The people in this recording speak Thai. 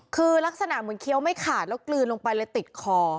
คือลักษณะเหมือนเคี้ยวไม่ขาดแล้วกลืนลงไปเลยติดคอ